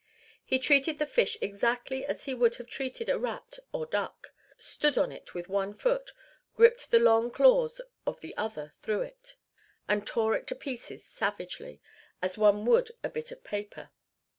He treated the fish exactly as he would have treated a rat or duck: stood on it with one foot, gripped the long claws of the other through it, and tore it to pieces savagely, as one would a bit of paper.